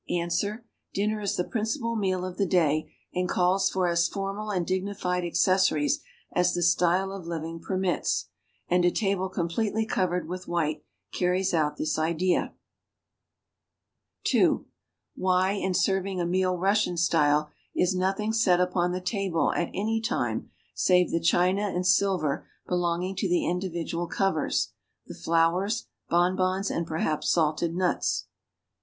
Ans. Dinner is the [)rincipal meal of the day and calls for as formal and dignified accessories as the style of living permits; and a table completely covered with white carries out this idea. *^^ ^^i^ p" —*^^^\ I SETTING FOR FORMAL DINNER. 27 (i) Why, in serving a meal Russian style, is nothing set upon the table at any time save the china and sliver belonging to the individual covers, the flowers, bonbons, and perhaps salted nuts?